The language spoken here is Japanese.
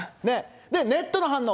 ネットの反応。